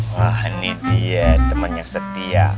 wah ini dia teman yang setia